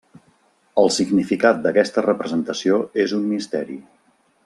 El significat d'aquesta representació és un misteri.